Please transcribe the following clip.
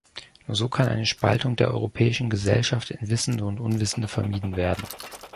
Nur so kann eine Spaltung der europäischen Gesellschaft in Wissende und Unwissende vermieden werden.